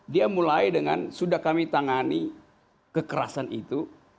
dia mulai dengan sudah kami tangani kekerasan itu